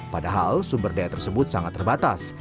padahal sumber daya tersebut sangat terbatas